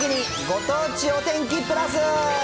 ご当地お天気プラス。